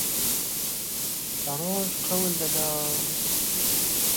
به رۆژ قهول دهدا و